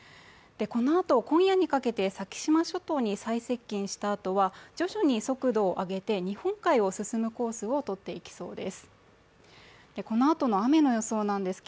このあと、今夜にかけて先島諸島に最接近したあとは徐々に速度を上げて、日本海を進むコースをとっていきそうです。